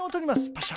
パシャ。